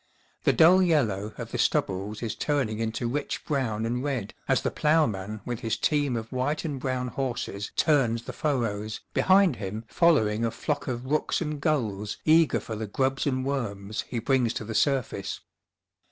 The dull yellow of the stubbles is turning into rich brown and red as the ploughman with his team of white and brown horses turns the furrows, behind him following a flock of rooks and gulls eager for the grubs and worms he brings to the surface.